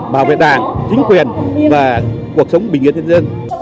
bảo vệ đảng chính quyền và cuộc sống bình yên nhân dân